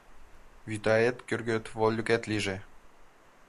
Вӱтаэт кӧргет вольыкет лийже.